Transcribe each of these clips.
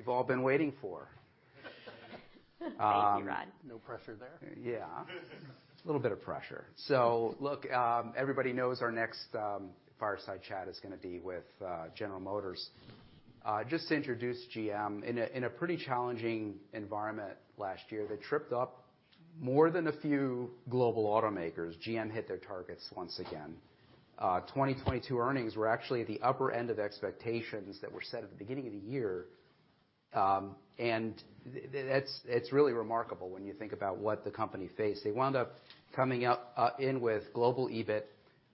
We've all been waiting for. Thank you, Rod. No pressure there. Little bit of pressure. Look, everybody knows our next fireside chat is going to be with General Motors. Just to introduce GM. In a pretty challenging environment last year that tripped up more than a few global automakers, GM hit their targets once again. 2022 earnings were actually at the upper end of expectations that were set at the beginning of the year. That's, it's really remarkable when you think about what the company faced. They wound up coming up in with global EBIT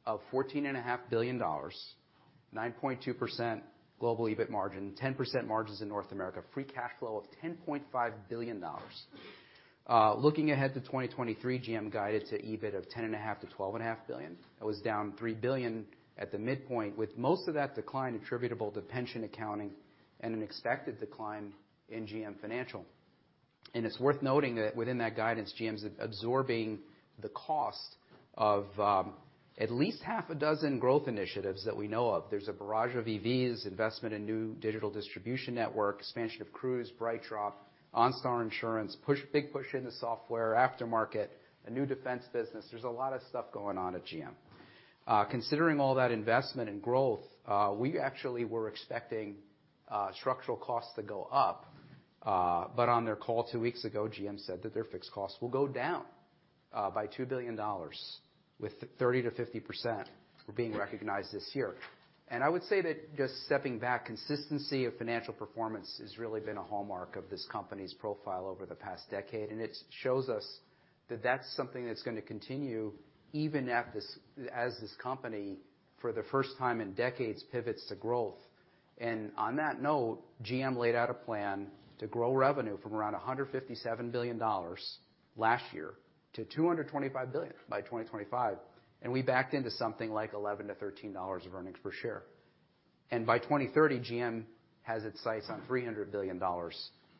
of $14.5 billion, 9.2% global EBIT margin, 10% margins in North America, free cash flow of $10.5 billion. Looking ahead to 2023, GM guided to EBIT of $10.5 billion-$12.5 billion. That was down $3 billion at the midpoint, with most of that decline attributable to pension accounting and an expected decline in GM Financial. It's worth noting that within that guidance, GM's absorbing the cost of at least half a dozen growth initiatives that we know of. There's a barrage of EVs, investment in new digital distribution network, expansion of Cruise, BrightDrop, OnStar Insurance, big push into software, aftermarket, a new defense business. There's a lot of stuff going on at GM. Considering all that investment and growth, we actually were expecting structural costs to go up. On their call two weeks ago, GM said that their fixed costs will go down by $2 billion, with 30%-50% being recognized this year. I would say that just stepping back, consistency of financial performance has really been a hallmark of this company's profile over the past decade, and it shows us that that's gonna continue even as this company, for the first time in decades, pivots to growth. On that note, GM laid out a plan to grow revenue from around $157 billion last year to $225 billion by 2025, and we backed into something like $11-$13 of earnings per share. By 2030, GM has its sights on $300 billion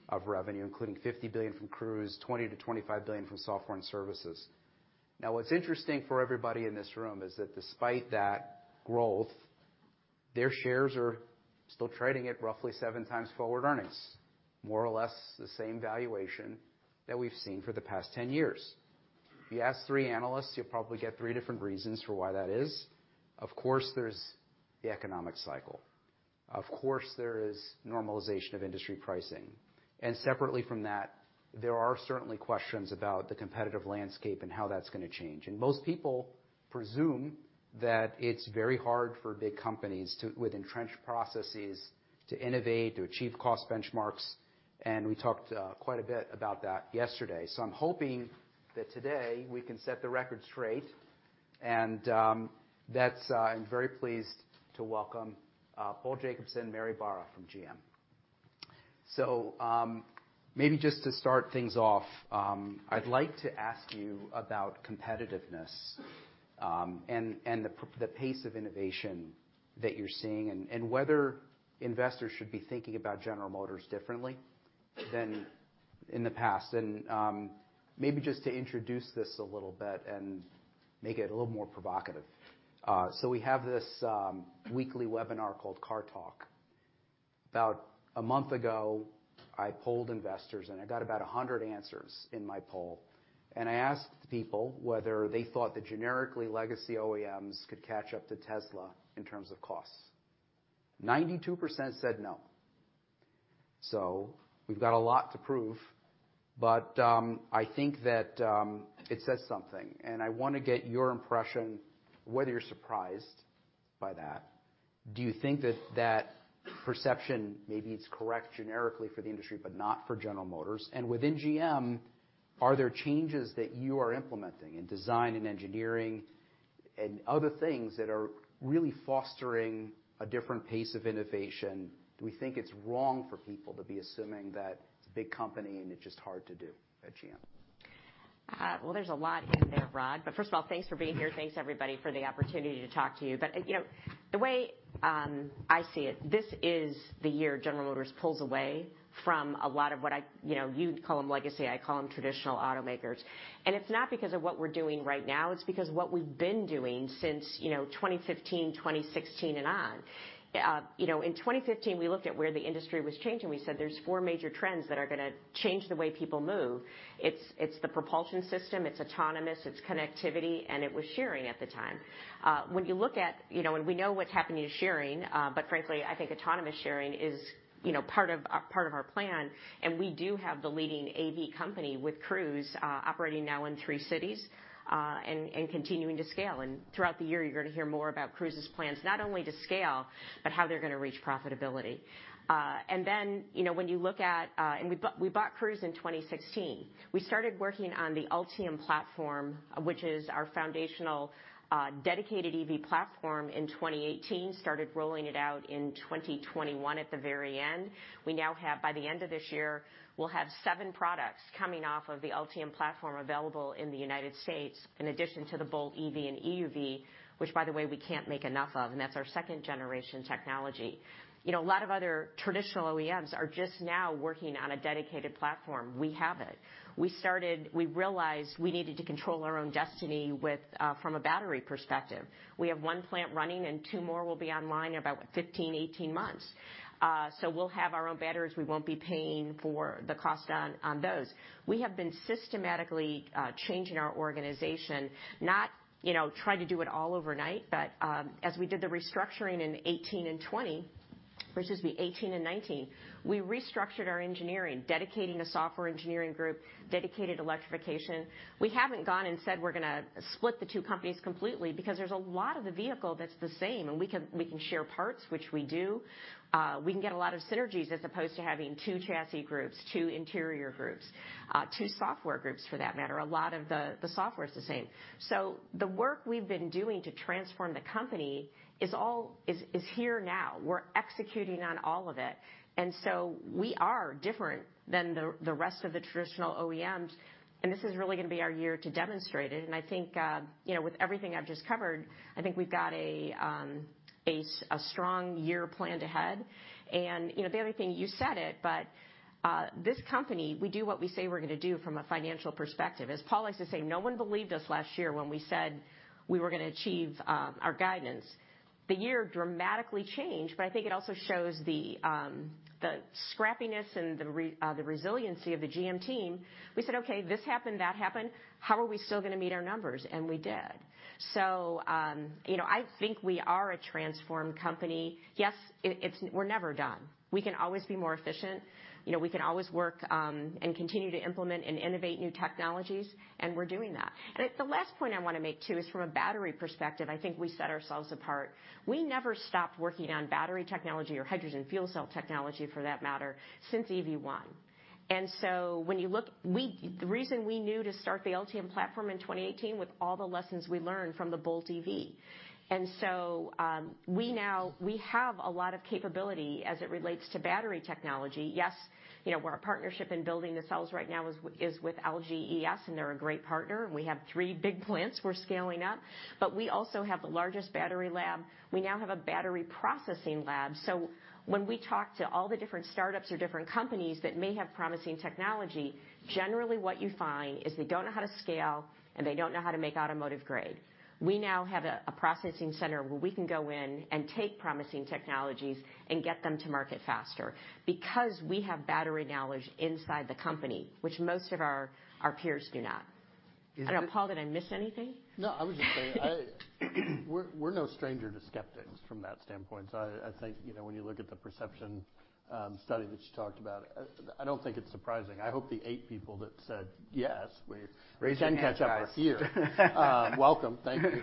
of revenue, including $50 billion from Cruise, $20 billion-$25 billion from software and services. What's interesting for everybody in this room is that despite that growth, their shares are still trading at roughly seven times forward earnings, more or less the same valuation that we've seen for the past 10 years. If you ask three analysts, you'll probably get three different reasons for why that is. Of course, there's the economic cycle. Of course, there is normalization of industry pricing. Separately from that, there are certainly questions about the competitive landscape and how that's gonna change. Most people presume that it's very hard for big companies with entrenched processes to innovate, to achieve cost benchmarks, and we talked quite a bit about that yesterday. I'm hoping that today we can set the record straight and that's... I'm very pleased to welcome Paul Jacobson and Mary Barra from GM. Maybe just to start things off, I'd like to ask you about competitiveness, and the pace of innovation that you're seeing and whether investors should be thinking about General Motors differently than in the past. Maybe just to introduce this a little bit and make it a little more provocative. We have this weekly webinar called Car Talk. About a month ago, I polled investors, and I got about 100 answers in my poll. I asked people whether they thought the generically legacy OEMs could catch up to Tesla in terms of costs. 92% said no. We've got a lot to prove, but I think that it says something, and I wanna get your impression whether you're surprised by that? Do you think that that perception, maybe it's correct generically for the industry, but not for General Motors? Within GM, are there changes that you are implementing in design and engineering and other things that are really fostering a different pace of innovation? Do we think it's wrong for people to be assuming that it's a big company and it's just hard to do at GM? Well, there's a lot in there, Rod. First of all, thanks for being here. Thanks, everybody, for the opportunity to talk to you. You know, the way I see it, this is the year General Motors pulls away from a lot of what I, you know, you'd call them legacy, I call them traditional automakers. It's not because of what we're doing right now, it's because of what we've been doing since, you know, 2015, 2016 and on. You know, in 2015, we looked at where the industry was changing. We said there's four major trends that are gonna change the way people move. It's the propulsion system, it's autonomous, it's connectivity, and it was sharing at the time. When you look at, you know, and we know what's happening to sharing, but frankly, I think autonomous sharing is, you know, part of our, part of our plan, and we do have the leading AV company with Cruise, operating now in three cities, and continuing to scale. Throughout the year, you're gonna hear more about Cruise's plans, not only to scale, but how they're gonna reach profitability. You know, when you look at, we bought Cruise in 2016. We started working on the Ultium platform, which is our foundational, dedicated EV platform, in 2018. Started rolling it out in 2021 at the very end. We now have, by the end of this year, we'll have seven products coming off of the Ultium platform available in the United States in addition to the Bolt EV and EUV, which, by the way, we can't make enough of, and that's our second-generation technology. You know, a lot of other traditional OEMs are just now working on a dedicated platform. We have it. We realized we needed to control our own destiny from a battery perspective. We have one plant running, and two more will be online in about what? 15, 18 months. We'll have our own batteries. We won't be paying for the cost on those. We have been systematically changing our organization, not, you know, trying to do it all overnight, but as we did the restructuring in the 2018 and 2019. We restructured our engineering, dedicating a software engineering group, dedicated electrification. We haven't gone and said we're gonna split the two companies completely because there's a lot of the vehicle that's the same and we can, we can share parts, which we do. We can get a lot of synergies as opposed to having two chassis groups, two interior groups, two software groups, for that matter. A lot of the software is the same. The work we've been doing to transform the company is all here now. We're executing on all of it. We are different than the rest of the traditional OEMs, and this is really gonna be our year to demonstrate it. I think, you know, with everything I've just covered, I think we've got a strong year planned ahead. You know, the other thing, you said it, but this company, we do what we say we're gonna do from a financial perspective. As Paul likes to say, no one believed us last year when we said we were gonna achieve our guidance. The year dramatically changed, but I think it also shows the scrappiness and the resiliency of the GM team. We said, "Okay, this happened, that happened, how are we still gonna meet our numbers?" We did. You know, I think we are a transformed company. Yes, it's, we're never done. We can always be more efficient. You know, we can always work and continue to implement and innovate new technologies, and we're doing that. The last point I wanna make too is from a battery perspective, I think we set ourselves apart. We never stopped working on battery technology or hydrogen fuel cell technology for that matter since EV1. When you look, the reason we knew to start the Ultium platform in 2018 with all the lessons we learned from the Bolt EV. We now have a lot of capability as it relates to battery technology. Yes, you know, our partnership in building the cells right now is with LGES, and they're a great partner, and we have three big plants we're scaling up. We also have the largest battery lab. We now have a battery processing lab. When we talk to all the different startups or different companies that may have promising technology, generally what you find is they don't know how to scale, and they don't know how to make automotive grade. We now have a processing center where we can go in and take promising technologies and get them to market faster because we have battery knowledge inside the company, which most of our peers do not. Is it- I don't know, Paul, did I miss anything? We're no stranger to skeptics from that standpoint. I think, you know, when you look at the perception study that you talked about, I don't think it's surprising. I hope the eight people that said, yes. Raise your hand, guys. can catch up with you. Welcome. Thank you.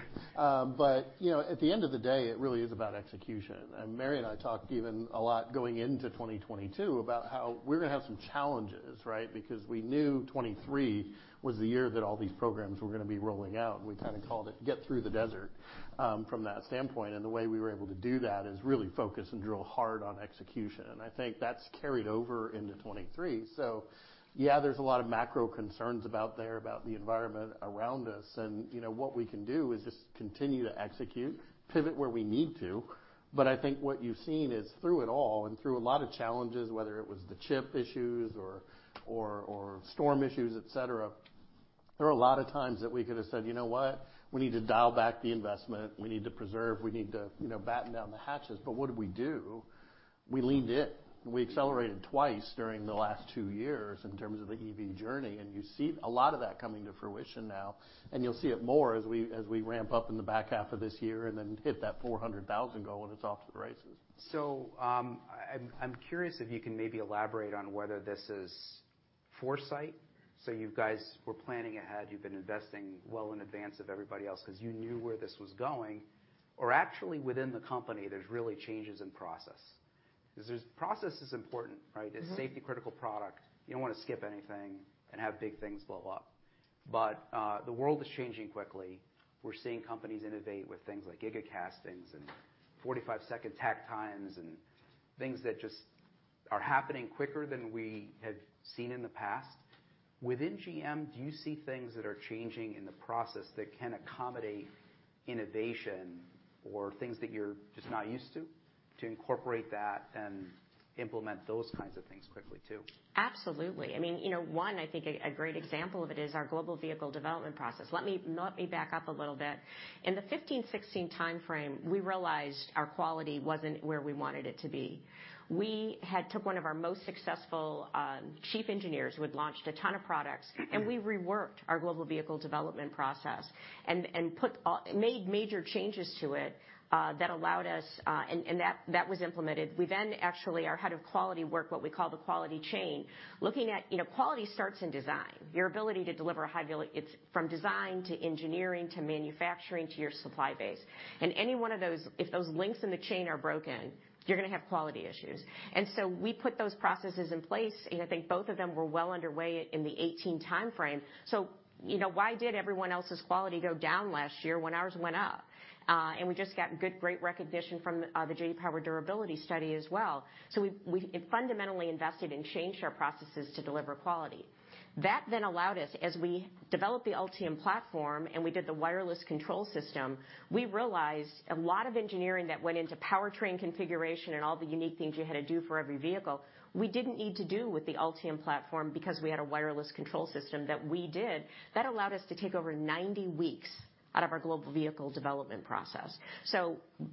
You know, at the end of the day, it really is about execution. Mary and I talked even a lot going into 2022 about how we're gonna have some challenges, right? Because we knew 2023 was the year that all these programs were gonna be rolling out. We kind of called it get through the desert from that standpoint, and the way we were able to do that is really focus and drill hard on execution. I think that's carried over into 2023. Yeah, there's a lot of macro concerns about there, about the environment around us. You know, what we can do is just continue to execute, pivot where we need to. I think what you've seen is through it all and through a lot of challenges, whether it was the chip issues or storm issues, et cetera, there are a lot of times that we could have said, "You know what? We need to dial back the investment. We need to preserve. We need to, you know, batten down the hatches." What did we do? We leaned in. We accelerated twice during the last two years in terms of the EV journey, and you see a lot of that coming to fruition now, and you'll see it more as we, as we ramp up in the back half of this year and then hit that 400,000 goal, and it's off to the races. I'm curious if you can maybe elaborate on whether this is foresight, so you guys were planning ahead, you've been investing well in advance of everybody else 'cause you knew where this was going, or actually within the company, there's really changes in process. Process is important, right? Mm-hmm. It's safety critical product. You don't wanna skip anything and have big things blow up. The world is changing quickly. We're seeing companies innovate with things like Giga Castings and 45 second takt time and things that just are happening quicker than we have seen in the past. Within GM, do you see things that are changing in the process that can accommodate innovation or things that you're just not used to incorporate that and implement those kinds of things quickly too? Absolutely. I mean, you know, one, I think a great example of it is our Global Vehicle Development Process. Let me back up a little bit. In the 15-16 timeframe, we realized our quality wasn't where we wanted it to be. We had took one of our most successful chief engineers who had launched a ton of products, and we reworked our Global Vehicle Development Process and made major changes to it that allowed us. That was implemented. Actually, our head of quality work, what we call the quality chain, looking at, you know, quality starts in design. It's from design to engineering to manufacturing to your supply base. Any one of those, if those links in the chain are broken, you're gonna have quality issues. We put those processes in place, and I think both of them were well underway in the 2018 timeframe. You know, why did everyone else's quality go down last year when ours went up? We just got good, great recognition from the J.D. Power U.S. Vehicle Dependability Study as well. We fundamentally invested and changed our processes to deliver quality. Allowed us, as we developed the Ultium platform, and we did the wireless control system, we realized a lot of engineering that went into powertrain configuration and all the unique things you had to do for every vehicle, we didn't need to do with the Ultium platform because we had a wireless control system that we did. That allowed us to take over 90 weeks out of our Global Vehicle Development Process.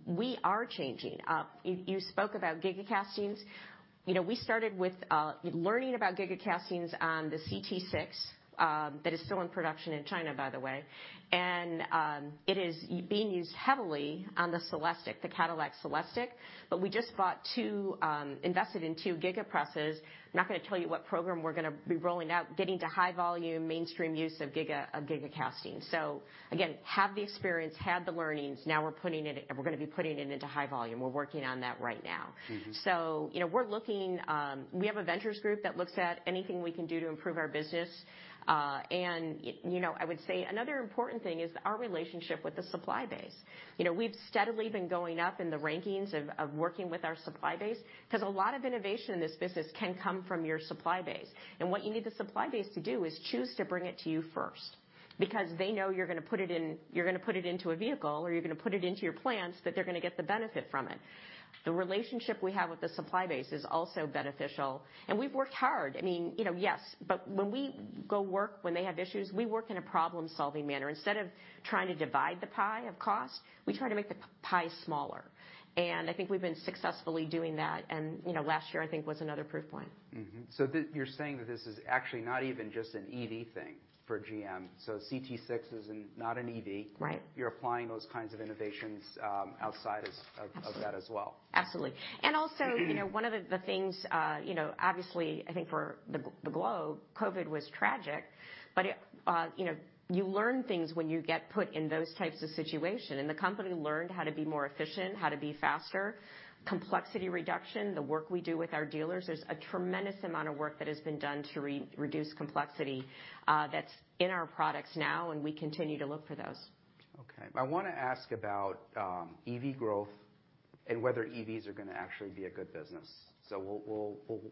We are changing. You spoke about Giga Castings. You know, we started with learning about Giga Castings on the CT6, that is still in production in China, by the way. It is being used heavily on the CELESTIQ, the Cadillac CELESTIQ. We just bought two, invested in two Giga Presses. I'm not gonna tell you what program we're gonna be rolling out, getting to high volume, mainstream use of Giga Castings. Again, have the experience, had the learnings, now we're gonna be putting it into high volume. We're working on that right now. Mm-hmm. You know, we're looking. We have a ventures group that looks at anything we can do to improve our business. You know, I would say another important thing is our relationship with the supply base. You know, we've steadily been going up in the rankings of working with our supply base, 'cause a lot of innovation in this business can come from your supply base. What you need the supply base to do is choose to bring it to you first because they know you're gonna put it in, you're gonna put it into a vehicle or you're gonna put it into your plants, that they're gonna get the benefit from it. The relationship we have with the supply base is also beneficial, and we've worked hard. I mean, you know, yes. When we go work, when they have issues, we work in a problem-solving manner. Instead of trying to divide the pie of cost, we try to make the pie smaller. I think we've been successfully doing that. You know, last year, I think, was another proof point. You're saying that this is actually not even just an EV thing for GM. CT6 is not an EV. Right. You're applying those kinds of innovations, outside as of that as well. Absolutely. You know, one of the things, you know, obviously, I think for the globe, COVID was tragic, but it, you know, you learn things when you get put in those types of situation. The company learned how to be more efficient, how to be faster. Complexity reduction, the work we do with our dealers, there's a tremendous amount of work that has been done to re-reduce complexity, that's in our products now, and we continue to look for those. Okay. I want to ask about EV growth and whether EVs are gonna actually be a good business.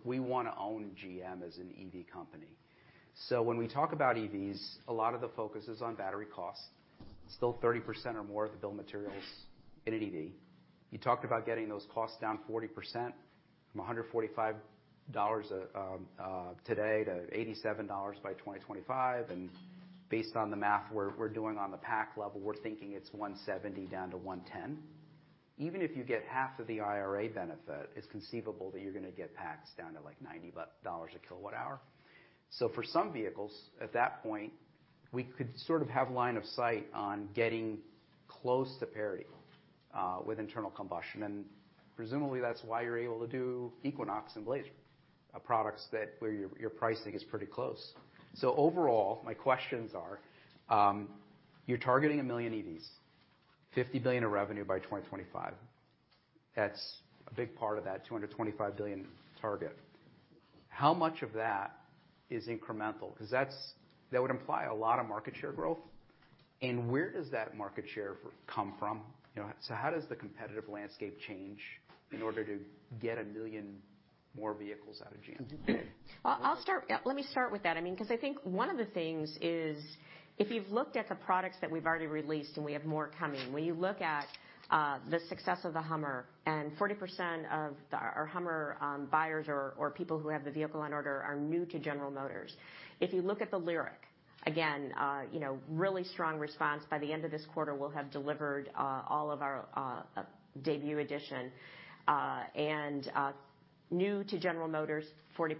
We want to own GM as an EV company. When we talk about EVs, a lot of the focus is on battery costs, still 30% or more of the bill of materials in an EV. You talked about getting those costs down 40% from $145 today to $87 by 2025. Based on the math we're doing on the pack level, we're thinking it's $170 down to $110. Even if you get half of the IRA benefit, it's conceivable that you're gonna get packs down to, like, $90 a kilowatt hour. For some vehicles, at that point, we could sort of have line of sight on getting close to parity with internal combustion. Presumably, that's why you're able to do Equinox and Blazer products that, where your pricing is pretty close. Overall, my questions are, you're targeting 1 million EVs, $50 billion of revenue by 2025. That's a big part of that $225 billion target. How much of that is incremental? 'Cause that would imply a lot of market share growth. Where does that market share come from? You know, how does the competitive landscape change in order to get 1 million more vehicles out of GM? Well, I'll start. Yeah, let me start with that. I mean, because I think one of the things is, if you've looked at the products that we've already released, we have more coming. When you look at the success of the Hummer, 40% of our Hummer buyers or people who have the vehicle on order are new to General Motors. If you look at the Lyriq, again, you know, really strong response. By the end of this quarter, we'll have delivered all of our debut edition. New to General Motors, 40%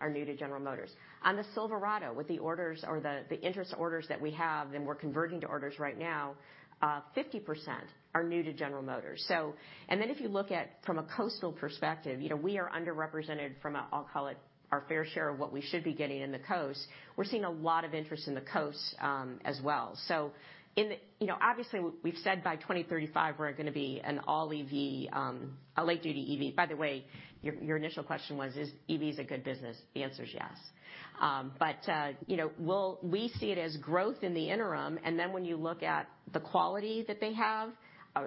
are new to General Motors. On the Silverado, with the orders or the interest orders that we have, we're converting to orders right now, 50% are new to General Motors. If you look at from a coastal perspective, you know, we are underrepresented from a, I'll call it, our fair share of what we should be getting in the coast. We're seeing a lot of interest in the coast as well. You know, obviously, we've said by 2035 we're gonna be an all EV, a light-duty EV. By the way, your initial question was, "Is EVs a good business?" The answer is yes. You know, we'll... We see it as growth in the interim, and then when you look at the quality that they have,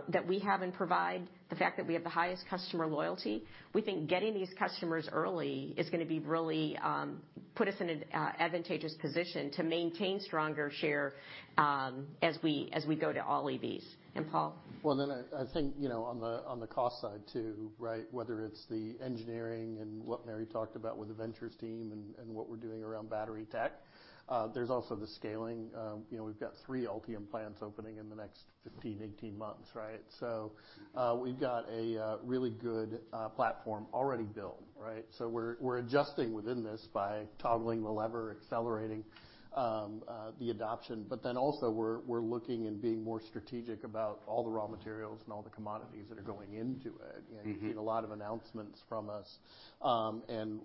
that we have and provide, the fact that we have the highest customer loyalty, we think getting these customers early is gonna be really put us in an advantageous position to maintain stronger share as we go to all EVs. Paul? I think, you know, on the cost side too, right? Whether it's the engineering and what Mary talked about with the ventures team and what we're doing around battery tech, there's also the scaling. You know, we've got three Ultium plants opening in the next 15, 18 months, right? We've got a really good platform already built, right? We're adjusting within this by toggling the lever, accelerating the adoption. Also, we're looking and being more strategic about all the raw materials and all the commodities that are going into it. Mm-hmm. You've seen a lot of announcements from us.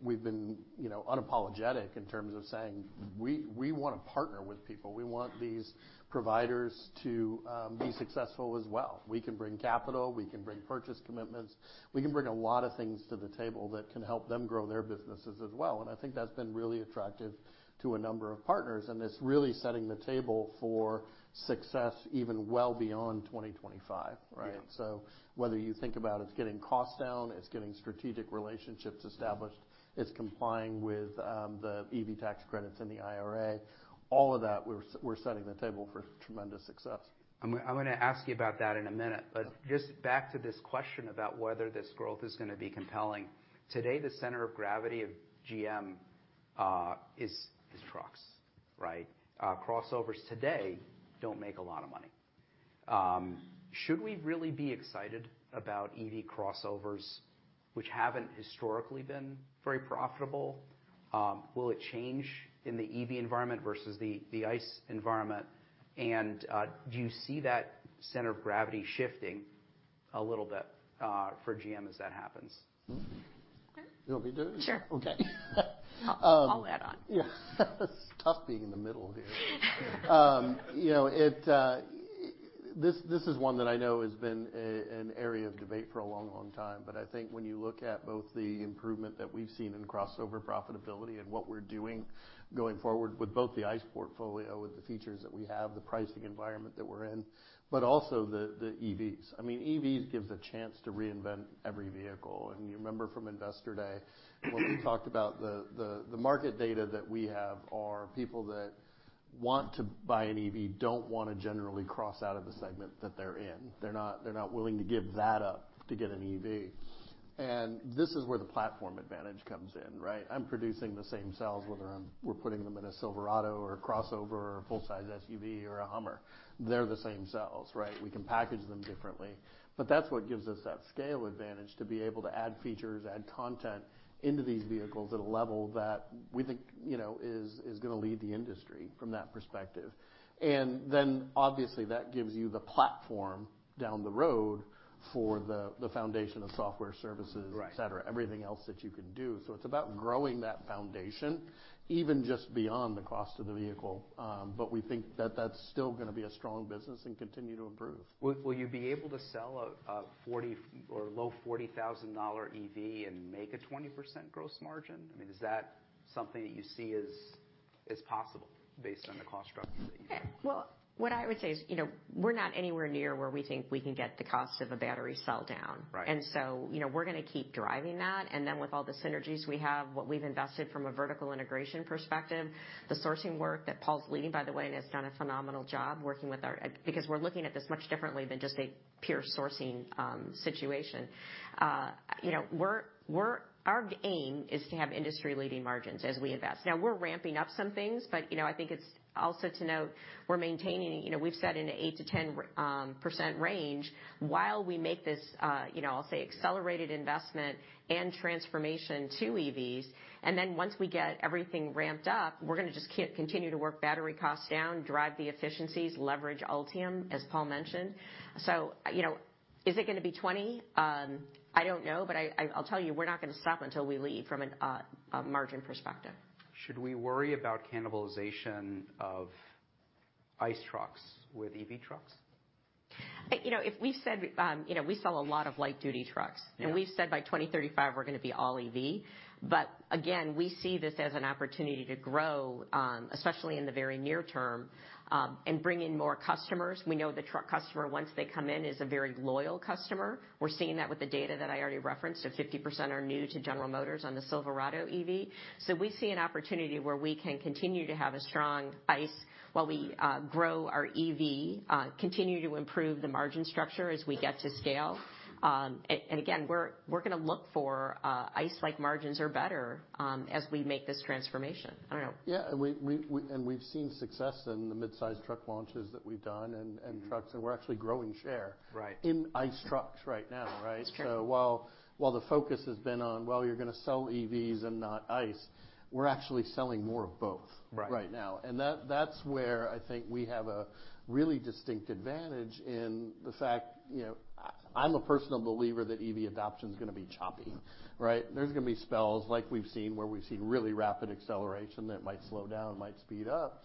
We've been, you know, unapologetic in terms of saying we wanna partner with people. We want these providers to be successful as well. We can bring capital, we can bring purchase commitments, we can bring a lot of things to the table that can help them grow their businesses as well. I think that's been really attractive to a number of partners, and it's really setting the table for success even well beyond 2025, right? Yeah. Whether you think about it's getting costs down, it's getting strategic relationships established, it's complying with the EV tax credits in the IRA, all of that, we're setting the table for tremendous success. I'm gonna ask you about that in a minute. Yeah. Just back to this question about whether this growth is gonna be compelling. Today, the center of gravity of GM is trucks, right? Crossovers today don't make a lot of money. Should we really be excited about EV crossovers, which haven't historically been very profitable? Will it change in the EV environment versus the ICE environment? Do you see that center of gravity shifting a little bit for GM as that happens? You want me to do it? Sure. Okay. I'll add on. It's tough being in the middle here. You know, this is one that I know has been an area of debate for a long, long time, but I think when you look at both the improvement that we've seen in crossover profitability and what we're doing going forward with both the ICE portfolio, with the features that we have, the pricing environment that we're in, but also the EVs. I mean, EVs gives a chance to reinvent every vehicle. You remember from Investor Day, when we talked about the market data that we have are people that want to buy an EV, don't wanna generally cross out of the segment that they're in. They're not willing to give that up to get an EV. This is where the platform advantage comes in, right? I'm producing the same cells, whether we're putting them in a Silverado or a crossover or a full-size SUV or a Hummer. They're the same cells, right? We can package them differently. That's what gives us that scale advantage to be able to add features, add content into these vehicles at a level that we think, you know, is gonna lead the industry from that perspective. Obviously, that gives you the platform down the road for the foundation of software services... Right... et cetera, everything else that you can do. It's about growing that foundation, even just beyond the cost of the vehicle. We think that that's still gonna be a strong business and continue to improve. Will you be able to sell a 40 or low $40,000 EV and make a 20% gross margin? I mean, is that something that you see as possible based on the cost structure that you have? Well, what I would say is, you know, we're not anywhere near where we think we can get the cost of a battery cell down. Right. You know, we're gonna keep driving that. With all the synergies we have, what we've invested from a vertical integration perspective, the sourcing work that Paul's leading, by the way, has done a phenomenal job working with our... Because we're looking at this much differently than just a pure sourcing situation. You know, our aim is to have industry-leading margins as we invest. We're ramping up some things, but, you know, I think it's also to note, we're maintaining, you know, we've said in the 8%-10% range while we make this, you know, I'll say accelerated investment and transformation to EVs. Once we get everything ramped up, we're gonna just continue to work battery costs down, drive the efficiencies, leverage Ultium, as Paul mentioned. You know, is it gonna be 20? I don't know, but I'll tell you, we're not gonna stop until we lead from a margin perspective. Should we worry about cannibalization of ICE trucks with EV trucks? You know, if we said, you know, we sell a lot of light-duty trucks. Yeah. We've said by 2035, we're gonna be all EV. Again, we see this as an opportunity to grow, especially in the very near term, and bring in more customers. We know the truck customer, once they come in, is a very loyal customer. We're seeing that with the data that I already referenced. 50% are new to General Motors on the Silverado EV. We see an opportunity where we can continue to have a strong ICE while we grow our EV, continue to improve the margin structure as we get to scale. And again, we're gonna look for ICE-like margins or better, as we make this transformation. I don't know. Yeah. We've seen success in the mid-size truck launches that we've done and trucks, and we're actually growing share. Right... in ICE trucks right now, right? It's true. While the focus has been on, well, you're gonna sell EVs and not ICE, we're actually selling more of both. Right right now. That's where I think we have a really distinct advantage in the fact, you know, I'm a personal believer that EV adoption is gonna be choppy, right? There's gonna be spells like we've seen, where we've seen really rapid acceleration that might slow down, might speed up.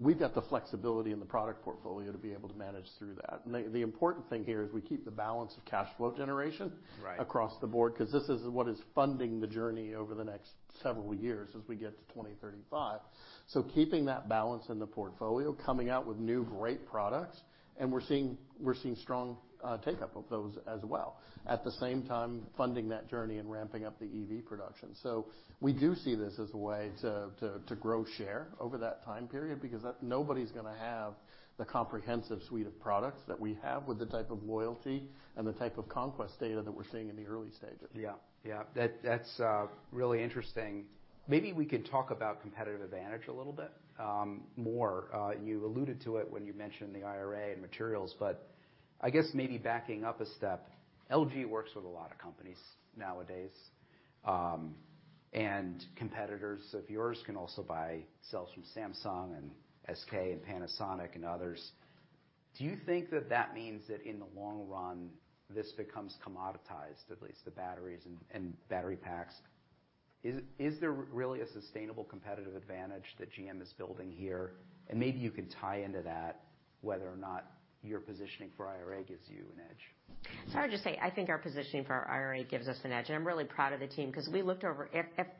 We've got the flexibility in the product portfolio to be able to manage through that. The important thing here is we keep the balance of cash flow generation. Right... across the board, 'cause this is what is funding the journey over the next several years as we get to 2035. Keeping that balance in the portfolio, coming out with new, great products, and we're seeing strong take-up of those as well, at the same time funding that journey and ramping up the EV production. We do see this as a way to grow share over that time period because nobody's gonna have the comprehensive suite of products that we have with the type of loyalty and the type of conquest data that we're seeing in the early stages. Yeah. Yeah. That's really interesting. Maybe we could talk about competitive advantage a little bit more. You alluded to it when you mentioned the IRA and materials, but I guess maybe backing up a step, LG works with a lot of companies nowadays, and competitors of yours can also buy cells from Samsung and SK and Panasonic and others. Do you think that that means that in the long run, this becomes commoditized, at least the batteries and battery packs? Is there really a sustainable competitive advantage that GM is building here? Maybe you could tie into that whether or not your positioning for IRA gives you an edge. I would just say, I think our positioning for our IRA gives us an edge, and I'm really proud of the team 'cause we looked over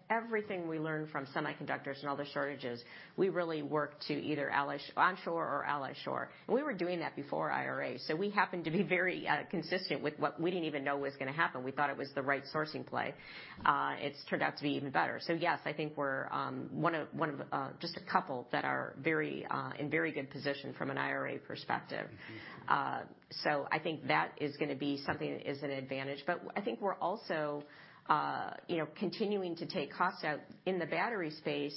everything we learned from semiconductors and all the shortages, we really work to either ally onshore or ally shore. We were doing that before IRA, so we happen to be very consistent with what we didn't even know was gonna happen. We thought it was the right sourcing play. It's turned out to be even better. Yes, I think we're one of just a couple that are very in very good position from an IRA perspective. I think that is gonna be something that is an advantage. I think we're also, you know, continuing to take costs out in the battery space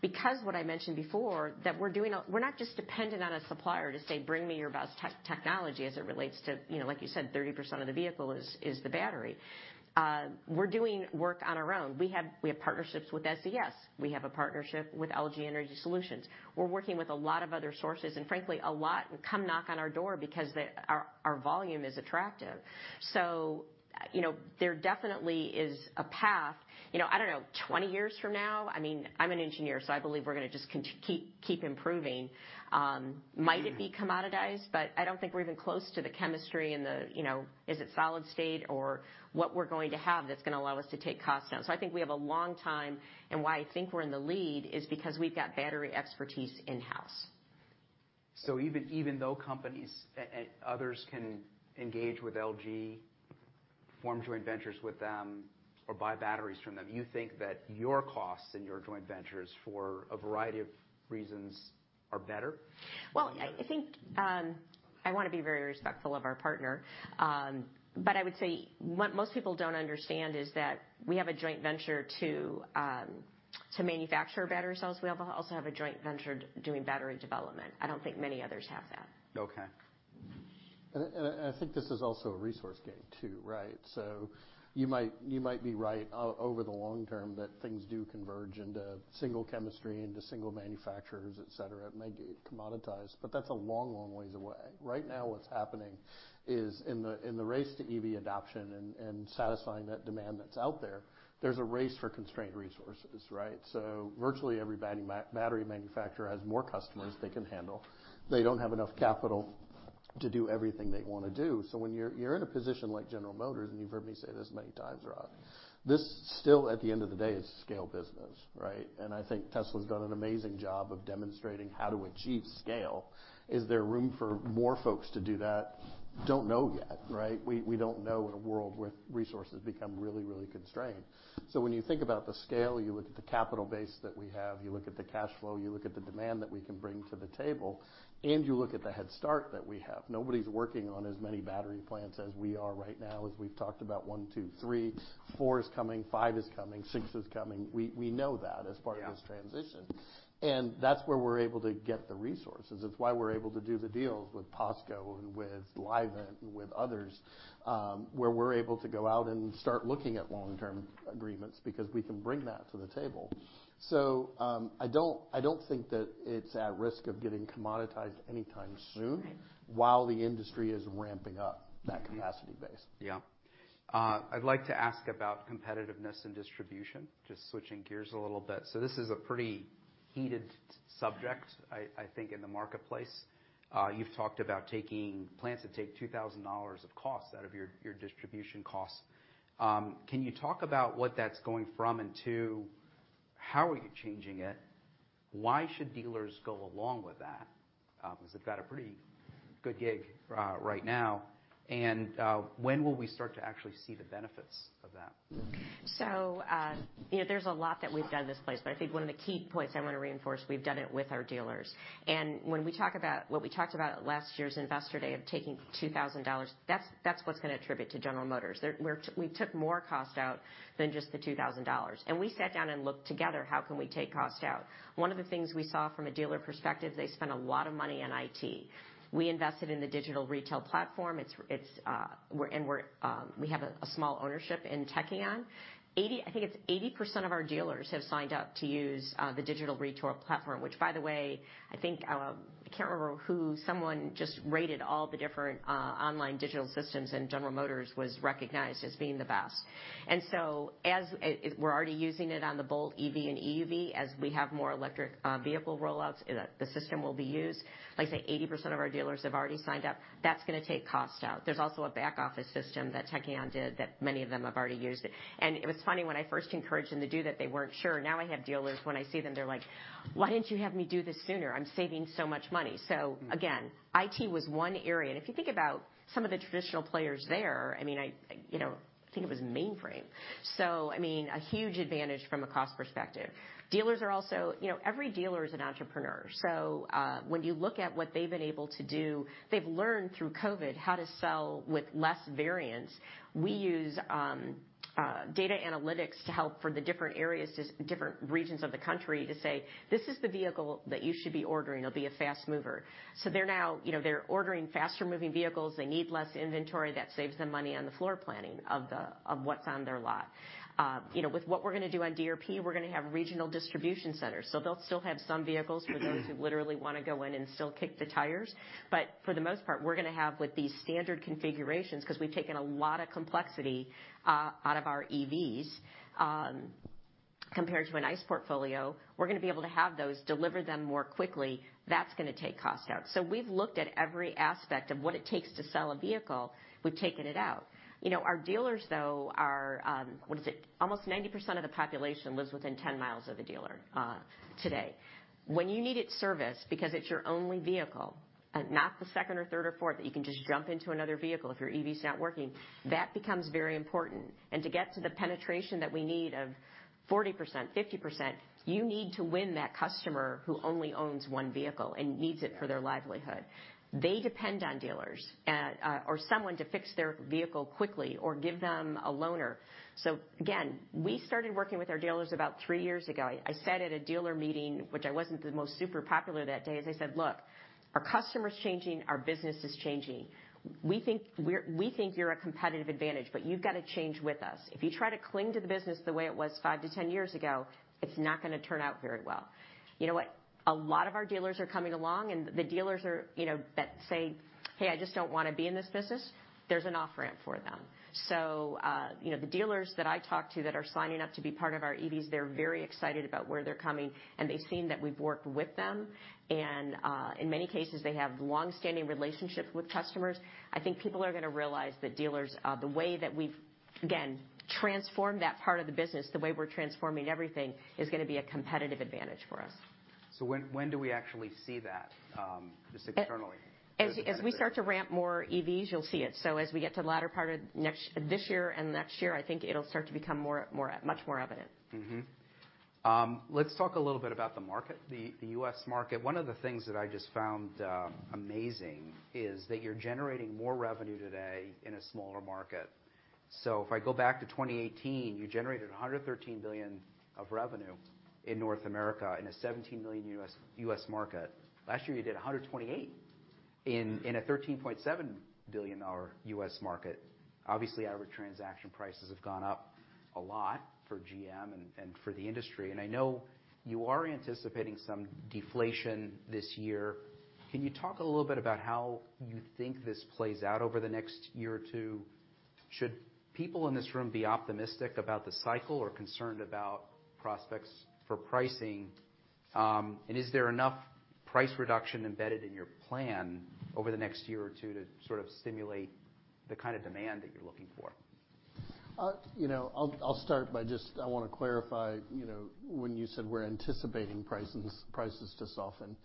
because what I mentioned before, that we're doing. We're not just dependent on a supplier to say, "Bring me your best technology," as it relates to, you know, like you said, 30% of the vehicle is the battery. We're doing work on our own. We have partnerships with SES. We have a partnership with LG Energy Solutions. We're working with a lot of other sources, and frankly, a lot come knock on our door because our volume is attractive. You know, there definitely is a path. You know, I don't know, 20 years from now, I mean, I'm an engineer, so I believe we're gonna just keep improving. Might it be commoditized? I don't think we're even close to the chemistry and the, you know, is it solid-state or what we're going to have that's gonna allow us to take costs down. I think we have a long time, and why I think we're in the lead is because we've got battery expertise in-house. Even though companies and others can engage with LG, form joint ventures with them, or buy batteries from them, you think that your costs and your joint ventures, for a variety of reasons, are better? I think I wanna be very respectful of our partner. I would say what most people don't understand is that we have a joint venture to manufacture battery cells. We also have a joint venture doing battery development. I don't think many others have that. Okay. I think this is also a resource game, too, right? You might, you might be right over the long term that things do converge into single chemistry, into single manufacturers, et cetera. It might get commoditized, but that's a long, long ways away. Right now, what's happening is in the race to EV adoption and satisfying that demand that's out there's a race for constrained resources, right? Virtually every battery manufacturer has more customers they can handle. They don't have enough capital to do everything they wanna do. When you're in a position like General Motors, and you've heard me say this many times, Rod, this still at the end of the day is scale business, right? I think Tesla's done an amazing job of demonstrating how to achieve scale. Is there room for more folks to do that? Don't know yet, right? We don't know in a world where resources become really constrained. When you think about the scale, you look at the capital base that we have, you look at the cash flow, you look at the demand that we can bring to the table, and you look at the head start that we have. Nobody's working on as many battery plants as we are right now, as we've talked about one, two, three. Four is coming, five is coming, six is coming. We know that as part of this transition. Yeah. That's where we're able to get the resources. It's why we're able to do the deals with POSCO and with Livent and with others, where we're able to go out and start looking at long-term agreements because we can bring that to the table. I don't think that it's at risk of getting commoditized anytime soon... Right ...while the industry is ramping up that capacity base. I'd like to ask about competitiveness and distribution, just switching gears a little bit. This is a pretty heated subject, I think, in the marketplace. You've talked about plans to take $2,000 of costs out of your distribution costs. Can you talk about what that's going from and to, how are you changing it? Why should dealers go along with that? 'Cause they've got a pretty good gig right now. When will we start to actually see the benefits of that? you know, there's a lot that we've done this place, but I think one of the key points I wanna reinforce, we've done it with our dealers. When we talk about what we talked about at last year's Investor Day of taking $2,000, that's what's gonna attribute to General Motors. we took more cost out than just the $2,000, and we sat down and looked together, how can we take cost out? One of the things we saw from a dealer perspective, they spend a lot of money on IT. We invested in the digital retail platform. We have a small ownership in Tekion. I think it's 80% of our dealers have signed up to use the digital retail platform, which by the way, I think, I can't remember who, someone just rated all the different online digital systems, and General Motors was recognized as being the best. So as we're already using it on the Bolt EV and EUV, as we have more electric vehicle rollouts, the system will be used. Like I say, 80% of our dealers have already signed up. That's gonna take cost out. There's also a back office system that Tekion did that many of them have already used it. It was funny, when I first encouraged them to do that, they weren't sure. Now I have dealers, when I see them, they're like, "Why didn't you have me do this sooner? I'm saving so much money." Again, IT was one area. If you think about some of the traditional players there, I mean, you know, I think it was mainframe. I mean, a huge advantage from a cost perspective. Dealers are also. You know, every dealer is an entrepreneur, so, when you look at what they've been able to do, they've learned through COVID how to sell with less variance. We use data analytics to help for the different areas, different regions of the country to say, "This is the vehicle that you should be ordering. It'll be a fast mover." They're now, you know, they're ordering faster moving vehicles. They need less inventory. That saves them money on the floor planning of what's on their lot. You know, with what we're gonna do on DRP, we're gonna have regional distribution centers, so they'll still have some vehicles for those who literally wanna go in and still kick the tires. For the most part, we're gonna have, with these standard configurations, 'cause we've taken a lot of complexity out of our EVs. Compared to an ICE portfolio, we're gonna be able to have those, deliver them more quickly. That's gonna take cost out. We've looked at every aspect of what it takes to sell a vehicle. We've taken it out. You know, our dealers, though, are, what is it? Almost 90% of the population lives within 10 mi of a dealer today. When you need it serviced because it's your only vehicle, not the second or third or fourth that you can just jump into another vehicle if your EV's not working, that becomes very important. To get to the penetration that we need of 40%, 50%, you need to win that customer who only owns one vehicle and needs it for their livelihood. They depend on dealers, or someone to fix their vehicle quickly or give them a loaner. Again, we started working with our dealers about three years ago. I said at a dealer meeting, which I wasn't the most super popular that day, as I said, "Look, our customer's changing, our business is changing. We think you're a competitive advantage, but you've got to change with us. If you try to cling to the business the way it was five to 10 years ago, it's not gonna turn out very well." You know what? A lot of our dealers are coming along, and the dealers are, you know, that say, "Hey, I just don't wanna be in this business," there's an off-ramp for them. You know, the dealers that I talk to that are signing up to be part of our EVs, they're very excited about where they're coming, and they've seen that we've worked with them. In many cases, they have long-standing relationships with customers. I think people are gonna realize that dealers, the way that we've, again, transformed that part of the business, the way we're transforming everything, is gonna be a competitive advantage for us. When do we actually see that just externally? As we start to ramp more EVs, you'll see it. As we get to the latter part of this year and next year, I think it'll start to become more, much more evident. Let's talk a little bit about the market, the U.S. market. One of the things that I just found amazing is that you're generating more revenue today in a smaller market. If I go back to 2018, you generated $113 billion of revenue in North America in a $17 billion U.S. market. Last year, you did $128 billion in a $13.7 billion U.S. market. Obviously, average transaction prices have gone up a lot for GM and for the industry. I know you are anticipating some deflation this year. Can you talk a little bit about how you think this plays out over the next year or two? Should people in this room be optimistic about the cycle or concerned about prospects for pricing? Is there enough price reduction embedded in your plan over the next year or two to sort of stimulate the kind of demand that you're looking for? You know, I'll start by just I wanna clarify, you know, when you said we're anticipating prices to soften.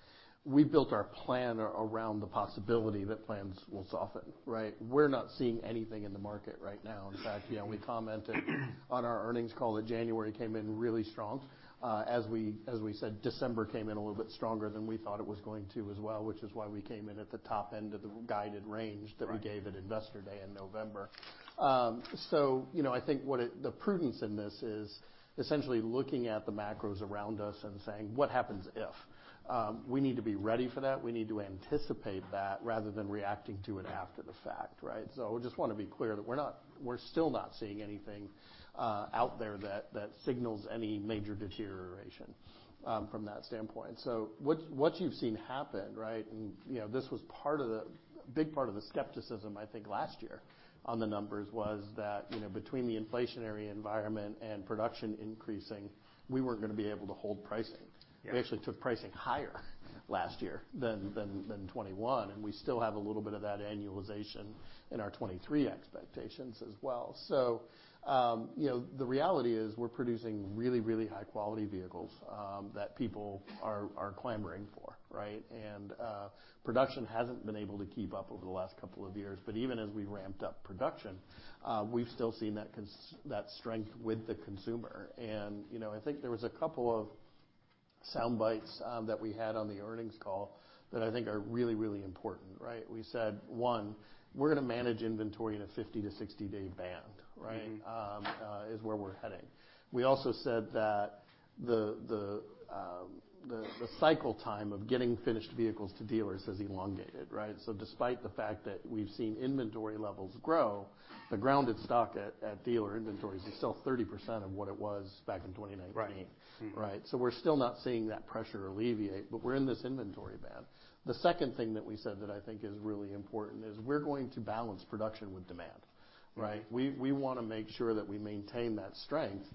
We built our plan around the possibility that plans will soften, right? We're not seeing anything in the market right now. In fact, you know, we commented on our earnings call that January came in really strong. As we said, December came in a little bit stronger than we thought it was going to as well, which is why we came in at the top end of the guided range. Right. that we gave at Investor Day in November. You know, I think the prudence in this is essentially looking at the macros around us and saying, "What happens if?" We need to be ready for that. We need to anticipate that rather than reacting to it after the fact, right? Just wanna be clear that we're still not seeing anything out there that signals any major deterioration from that standpoint. What you've seen happen, right, and, you know, a big part of the skepticism, I think, last year on the numbers was that, you know, between the inflationary environment and production increasing, we weren't gonna be able to hold pricing. Yeah. We actually took pricing higher last year than 2021, we still have a little bit of that annualization in our 2023 expectations as well. You know, the reality is we're producing really, really high-quality vehicles that people are clamoring for, right? Production hasn't been able to keep up over the last couple of years. Even as we ramped up production, we've still seen that strength with the consumer. You know, I think there was a couple of sound bites that we had on the earnings call that I think are really, really important, right? We said, one, we're gonna manage inventory in a 50- to 60-day band, right? Mm-hmm. Is where we're heading. We also said that the, the cycle time of getting finished vehicles to dealers has elongated, right? Despite the fact that we've seen inventory levels grow, the grounded stock at dealer inventories is still 30% of what it was back in 2019. Right. Mm-hmm. Right? We're still not seeing that pressure alleviate. We're in this inventory band. The second thing that we said that I think is really important is we're going to balance production with demand, right? Yeah. We wanna make sure that we maintain that strength,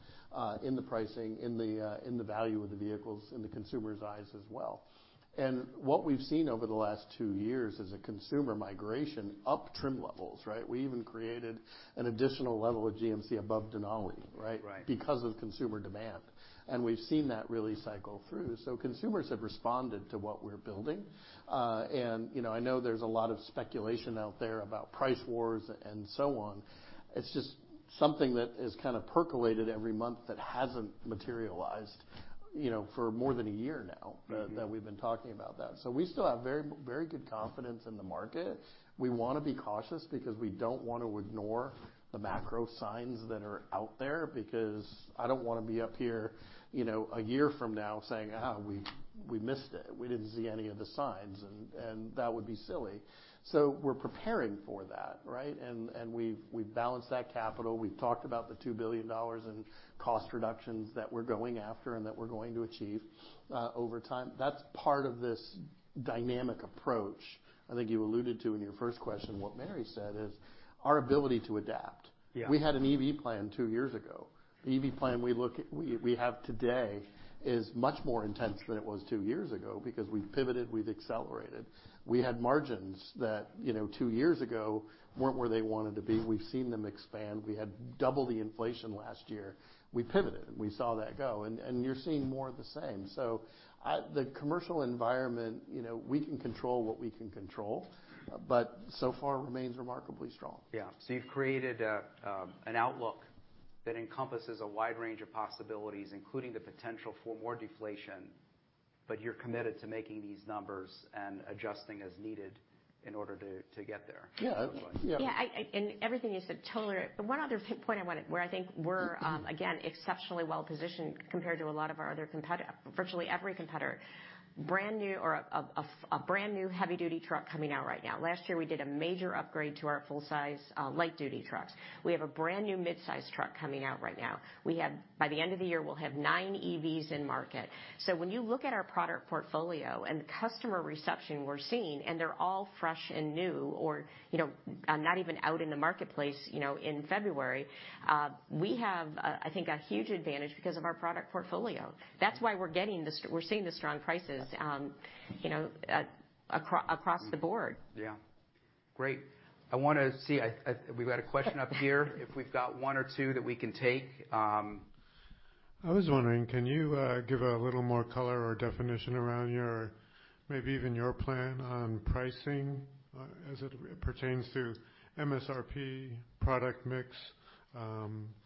in the pricing, in the in the value of the vehicles, in the consumer's eyes as well. What we've seen over the last two years is a consumer migration up trim levels, right? We even created an additional level of GMC above Denali, right? Right. Because of consumer demand. We've seen that really cycle through. Consumers have responded to what we're building. You know, I know there's a lot of speculation out there about price wars and so on. It's just something that has kind of percolated every month that hasn't materialized, you know, for more than a year now. Mm-hmm. that we've been talking about that. We still have very, very good confidence in the market. We wanna be cautious because we don't want to ignore the macro signs that are out there, because I don't wanna be up here, you know, a year from now saying, "We missed it. We didn't see any of the signs." That would be silly. We're preparing for that, right? We've balanced that capital. We've talked about the $2 billion in cost reductions that we're going after and that we're going to achieve over time. That's part of this dynamic approach I think you alluded to in your first question, what Mary said, is our ability to adapt. Yeah. We had an EV plan two years ago. The EV plan we have today is much more intense than it was two years ago because we've pivoted, we've accelerated. We had margins that, you know, two years ago weren't where they wanted to be. We've seen them expand. We had double the inflation last year. We pivoted, and we saw that go. You're seeing more of the same. At the commercial environment, you know, we can control what we can control, but so far remains remarkably strong. Yeah. You've created an outlook that encompasses a wide range of possibilities, including the potential for more deflation, but you're committed to making these numbers and adjusting as needed in order to get there? Yeah. Yeah, and everything you said, totally. The one other point I wanted, where I think we're again, exceptionally well-positioned compared to a lot of our other competitor, virtually every competitor, brand new or a brand new heavy-duty truck coming out right now. Last year, we did a major upgrade to our full-size light-duty trucks. We have a brand new midsize truck coming out right now. We have, by the end of the year, we'll have nine EVs in market. When you look at our product portfolio and the customer reception we're seeing, and they're all fresh and new, or, you know, not even out in the marketplace, you know, in February, we have a, I think, a huge advantage because of our product portfolio. That's why we're getting this, we're seeing the strong prices, you know, across the board. Yeah. Great. I wanna see. We've got a question up here. If we've got one or two that we can take. I was wondering, can you give a little more color or definition around your, maybe even your plan on pricing as it pertains to MSRP, product mix,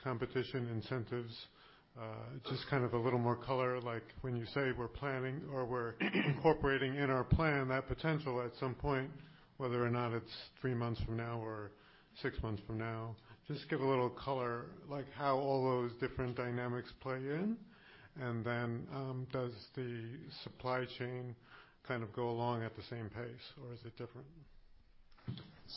competition, incentives? Just kind of a little more color, like when you say we're planning or we're incorporating in our plan that potential at some point, whether or not it's three months from now or six months from now. Just give a little color, like how all those different dynamics play in. Does the supply chain kind of go along at the same pace, or is it different?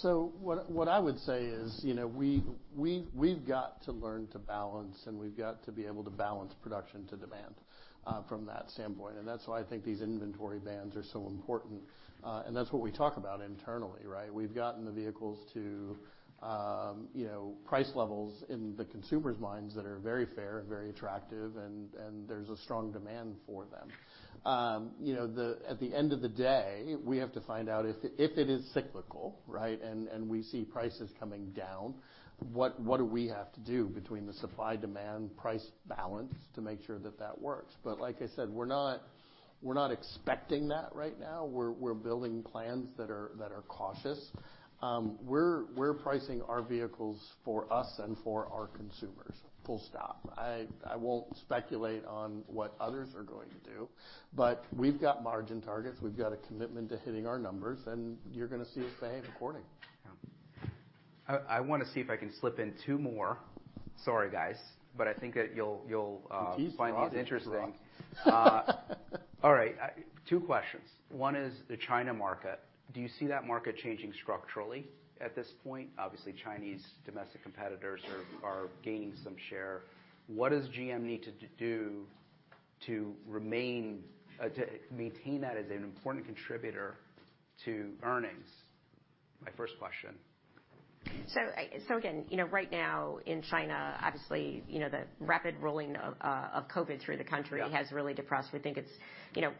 What I would say is, you know, we've got to learn to balance, and we've got to be able to balance production to demand from that standpoint. That's why I think these inventory bans are so important. That's what we talk about internally, right? We've gotten the vehicles to, you know, price levels in the consumers' minds that are very fair and very attractive, and there's a strong demand for them. You know, at the end of the day, we have to find out if it is cyclical, right, and we see prices coming down, what do we have to do between the supply-demand price balance to make sure that that works? Like I said, we're not expecting that right now. We're building plans that are cautious. We're pricing our vehicles for us and for our consumers, full stop. I won't speculate on what others are going to do, but we've got margin targets. We've got a commitment to hitting our numbers. You're gonna see us staying according. Yeah. I wanna see if I can slip in two more. Sorry, guys, I think that you'll find these interesting. He's drawing it. All right. Two questions. One is the China market. Do you see that market changing structurally at this point? Obviously, Chinese domestic competitors are gaining some share. What does GM need to do to maintain that as an important contributor to earnings? My first question. Again, you know, right now in China, obviously, you know, the rapid rolling of COVID through the country. Yeah has really depressed. We think it's, you know,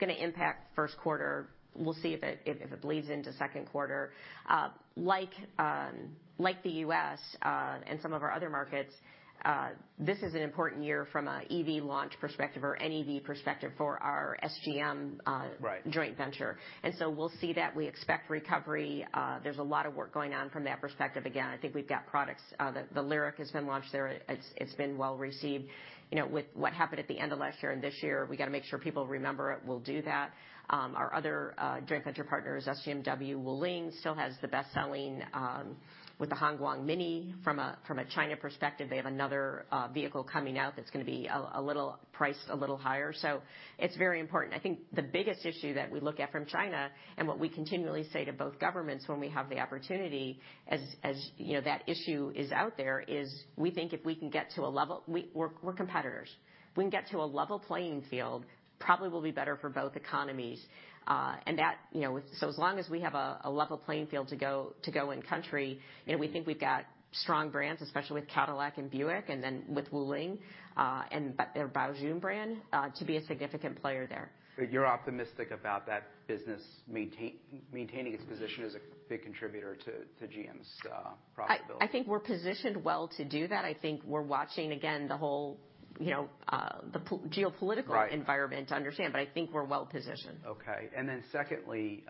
gonna impact first quarter. We'll see if it, if it bleeds into second quarter. Like the U.S., and some of our other markets, this is an important year from a EV launch perspective or an EV perspective for our SAIC-GM. Right... joint venture. We'll see that. We expect recovery. There's a lot of work going on from that perspective. Again, I think we've got products, the Lyriq has been launched there. It's been well-received. You know, with what happened at the end of last year and this year, we gotta make sure people remember it. We'll do that. Our other joint venture partners, SGMW, Wuling, still has the best selling with the Hongguang Mini EV. From a China perspective, they have another vehicle coming out that's gonna be a little priced a little higher. It's very important. I think the biggest issue that we look at from China and what we continually say to both governments when we have the opportunity as, you know, that issue is out there, is we think if we can get to a level. We're competitors. If we can get to a level playing field, probably will be better for both economies. That, you know, so as long as we have a level playing field to go in country, and we think we've got strong brands, especially with Cadillac and Buick and then with Wuling, but their Baojun brand, to be a significant player there. you're optimistic about that business maintaining its position as a big contributor to GM's profitability. I think we're positioned well to do that. I think we're watching, again, the whole, you know. Right... environment to understand, but I think we're well-positioned. Secondly,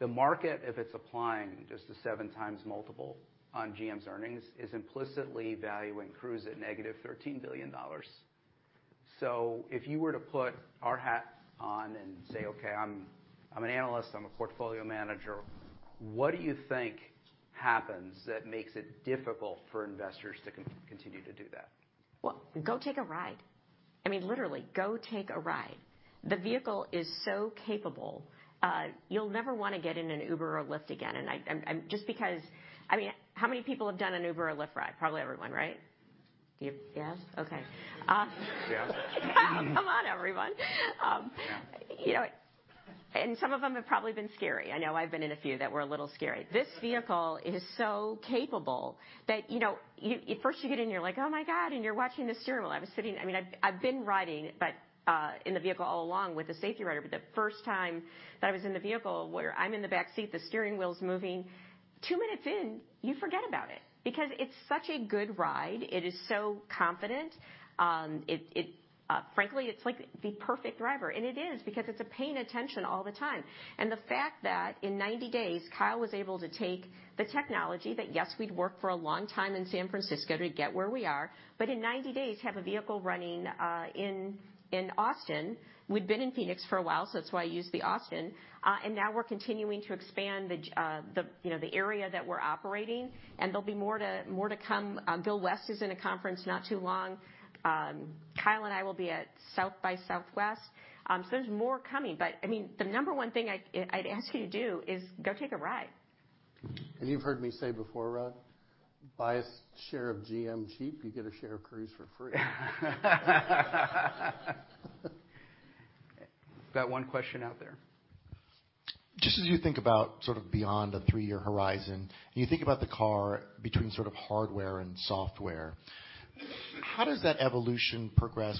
the market, if it's applying just the seven times multiple on GM's earnings, is implicitly valuing Cruise at negative $13 billion. If you were to put our hat on and say, "Okay, I'm an analyst, I'm a portfolio manager," what do you think happens that makes it difficult for investors to continue to do that? Go take a ride. I mean, literally, go take a ride. The vehicle is so capable, you'll never wanna get in an Uber or a Lyft again. Just because, I mean, how many people have done an Uber or a Lyft ride? Probably everyone, right? Do you? Yes? Okay. Yeah. Come on, everyone. Yeah. You know, some of them have probably been scary. I know I've been in a few that were a little scary. This vehicle is so capable that, you know, you, at first you get in, you're like, "Oh, my God," and you're watching the steering wheel. I mean, I've been riding, but in the vehicle all along with a safety rider, but the first time that I was in the vehicle where I'm in the back seat, the steering wheel's moving. Two minutes in, you forget about it because it's such a good ride. It is so confident. Frankly, it's like the perfect driver, and it is because it's paying attention all the time. The fact that in 90 days, Kyle was able to take the technology that, yes, we'd worked for a long time in San Francisco to get where we are, but in 90 days, have a vehicle running in Austin. We'd been in Phoenix for a while, so that's why I used the Austin. Now we're continuing to expand the, you know, the area that we're operating, and there'll be more to come. Gil West is in a conference not too long. Kyle and I will be at South by Southwest. There's more coming, but, I mean, the number one thing I'd ask you to do is go take a ride. You've heard me say before, Rod, buy a share of GM cheap, you get a share of Cruise for free. Got one question out there. Just as you think about sort of beyond a three-year horizon, and you think about the car between sort of hardware and software, how does that evolution progress?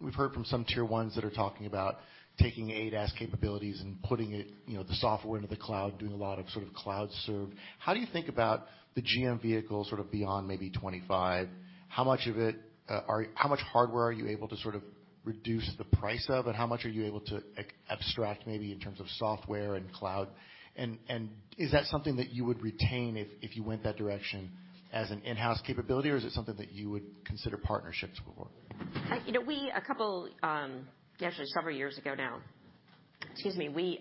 We've heard from some tier ones that are talking about taking ADAS capabilities and putting it, you know, the software into the cloud, doing a lot of sort of cloud serve. How do you think about the GM vehicle sort of beyond maybe 2025? How much of it, how much hardware are you able to sort of reduce the price of, and how much are you able to abstract maybe in terms of software and cloud? Is that something that you would retain if you went that direction as an in-house capability, or is it something that you would consider partnerships for? You know, we, a couple, actually several years ago now, excuse me, we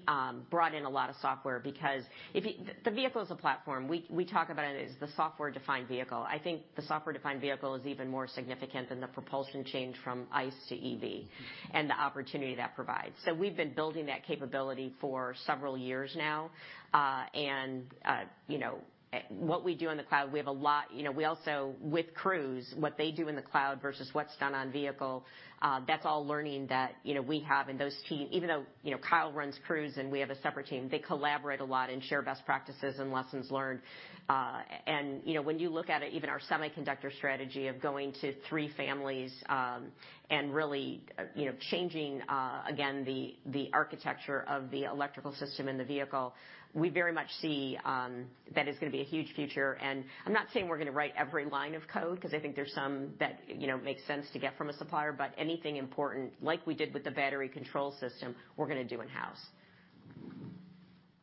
brought in a lot of software because the vehicle is a platform. We talk about it as the software-defined vehicle. I think the software-defined vehicle is even more significant than the propulsion change from ICE to EV and the opportunity that provides. We've been building that capability for several years now, and, you know, what we do in the cloud, we have a lot. You know, we also, with Cruise, what they do in the cloud versus what's done on vehicle, that's all learning that, you know, we have. Those teams, even though, you know, Kyle runs Cruise, and we have a separate team, they collaborate a lot and share best practices and lessons learned. You know, when you look at it, even our semiconductor strategy of going to three families, really, you know, changing again, the architecture of the electrical system in the vehicle, we very much see that it's gonna be a huge future. I'm not saying we're gonna write every line of code, 'cause I think there's some that, you know, make sense to get from a supplier, but anything important, like we did with the battery control system, we're gonna do in-house.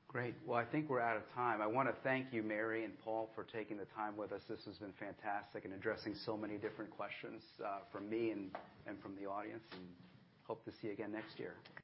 Great. Well, I think we're out of time. I wanna thank you, Mary and Paul, for taking the time with us, this has been fantastic, and addressing so many different questions, from me and from the audience, and hope to see you again next year.